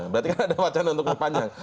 berarti kan ada wacana untuk perpanjang